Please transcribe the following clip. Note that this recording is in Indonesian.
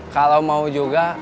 kalau mau juga